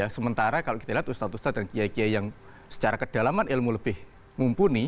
sementara kalau kita lihat ustadz ustadz dan kiai kiai yang secara kedalaman ilmu lebih mumpuni